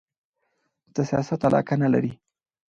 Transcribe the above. د سیاست علاقه نه لري